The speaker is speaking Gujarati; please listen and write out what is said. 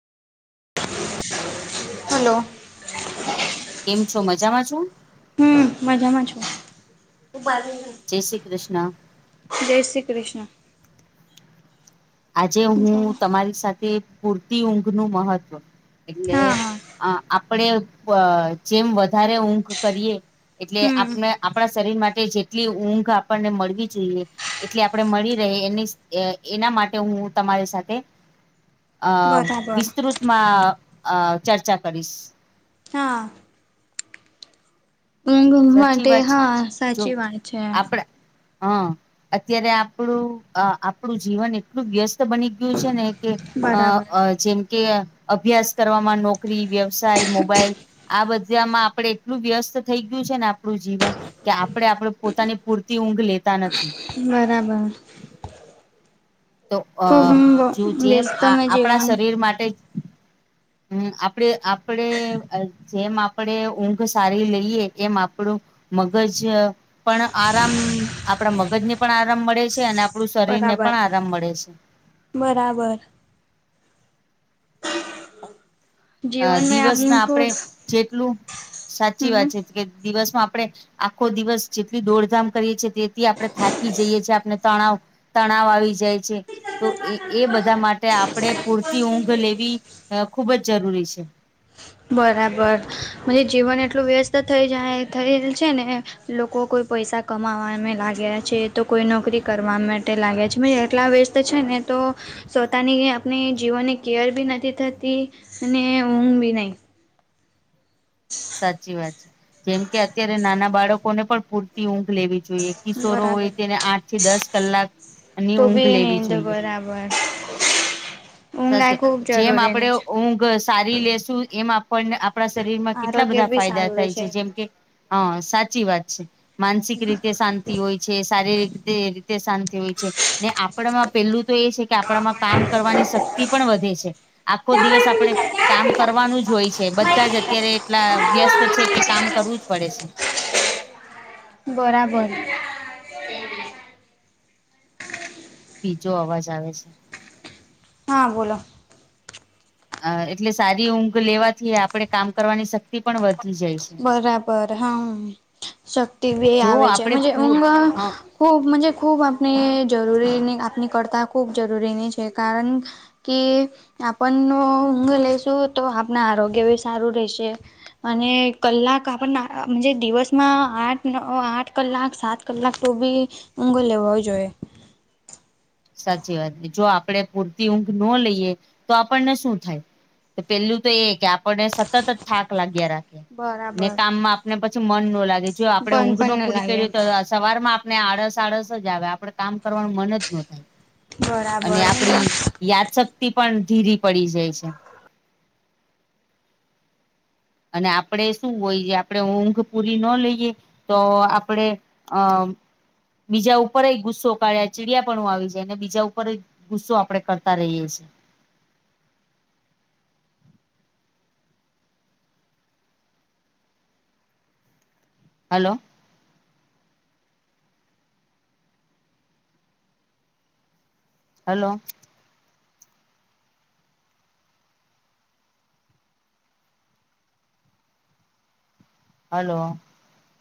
હલો કેમ છો મજામાં છું. હમ મજામાં છું [unintelligible] જય શ્રી કૃષ્ણ. જય શ્રી કૃષ્ણ. આજે હું તમારી સાથે પૂરતી ઊંઘ નું મહત્વ એટલે હા હા અ આપણેે જેમ વધારે ઊંઘ કરીએ એટલે આપ હમ આપણા શરીર માટે એટલી ઊંઘ આપણને મળવી જોઈએ એટલે આપણે મળી રહે એની એના માટે હું તમારી સાથે અ બરાબર વિસ્તૃ માં અ ચર્ચા કરીશ. હા. સાચી માટે વાત હા સાચી વાત છે. હ અત્યારે આપણું આપણું જીવન એટલું વ્યસ્ત બનીય છેને કે બરાબર જેમ કે અભ્યાસ કરવામાં નોકરી વ્યવસાય મોબાઈલ આ બધામાં આપડે એટલું વ્યસ્ત ને આપણું જીવન કે આપણે આપણે પોતાની પૂરતી ઊંઘ લેતા નથી બરાબર. તો અ જો જેમ આપણા [unintelligible] શરીર માટે જ હમ આપડે આપડે જેમ આપડે ઊંઘ સારી લઈએ એમ આપડું મગજ પણ આરામ આપણા મગજ ને પણ આરામ મળે છે અને આપણું શરીર ને બરાબર પણ આરામ મળે છે. બરાબર [inaudible] અ મે દિવસ આપને ના આપડે ખુબ જેટલું સાચી હમ વાત કે દિવસમાં આપણે આખો દિવસ જેટલી દોડધામ કરીએ છીએ તેથી આપણે થાકી જઈએ છે આપ તણાવ તણાવ આવી જાય છે. તો એ એ બધા માટે આપણે પૂરતી ઊંઘ લેવી ખુબ જ જરૂરી છે. બરાબર મ જીવન એટલું વ્યસ્ત થઈ જાય થયેલ છે ને લોકો કોઈ પૈસા કમાવાવામાં લાગ્યા છે તો કોઈ નોકરી કરવા માટે લાગ્યા છે મે એટલા તો છે ને તો સવતાની આપણે જીવનની કેર બી નથી થતી અને ઊઘ બી સાચી વાત છે જેમ કે અત્યારે નાના બાળકોને પણ પૂરતી ઊંઘ લેવી. જોએ કિશોરો બરાબર હોય તેને આઠ થી દસ કલાકની તો ઊંઘ બી લેવી નીંદ જોઈએ. [inaudible] આ સ ખૂબ જેમ આપડે જરૂરીની છે ઊંઘ સારી લેશુ એમ આપણને આપણા શરીરમાં કેટલા આરોગ્ય બધા બી ફાયદા સારું રહે થાય છે જેમ કે હા સાચી વાત છે માનસિક રીતે શાંતિ હોય છે શારીરિક રીતે શાંતિ હોય છે ને આપણામાં પેલું તો એ છે કે આપણામાં કામ કરવાની શક્તિ પણ વધે છે આખો દિવસ આપણે કામ કરવાનું જ હોય છે બધા જ અત્યારે એટલા વ્યસ્ત છે કે કામ કરવું જ પડે છે. બરાબર. બીજો અવાજ આવે છે. હા બોલો અ એટલે સારી ઊંઘ લેવાથી આપણે કામ કરવાની શક્ બરાબર હા. શક્તિ એ જો આવે આપણે છેજે પૂ ઊંઘ હા ખૂબ મજ ખૂબ આપણે જરૂરીની આપણી કરતાં ખૂબ જરૂરીની છે કારણ કે આપણનો ઊંઘ લઈશું તો આપણા આરોગ્ય બ સારું રહેશે. મને કલાક આપણને દિવસમાં આઠ આઠ કલાક સાત કલાક તો બી ઊંઘો લેવ જોઈએ સાચી વાત ન જો આપડે પર ઊંઘ ન લઈએ તો આપણને શું થાય તો પેલું તો એ કે આપણને સતત જ થાક લાગ્યા રા ને બરાબર કામમાં આપને પછી મન નો લાગે જો આપડે બંધ ઊંઘ નો પણ ન પૂરી લાગે કરીએ તો સવારમાં આપણે આડસ આળસ જ આવે આપડે કામ કરવાનું મન જ નહતું અને આપડી બરાબર યાદશક્તિ પણ ધીરી પડી જાય છે અને આપણેે શું હોય જે આપણે ઊંઘ પુરી ન લઈએ તો આપડે અ બીજા ઉપર ગુસ્સો કાઢ્યા ચીડિયાપણું આવી જાય ને બીજા ઉપર ગુસ્સો આપડણે કરતા રહીએ છીએ હલો હેલો હલો